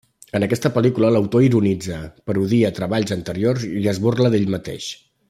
En aquesta pel·lícula l'autor ironitza, parodia treballs anteriors i es burla d'ell mateix.